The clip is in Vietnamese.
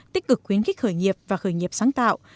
tích cực khuyến khích khởi nghiệp và khởi nghiệp sáng tạo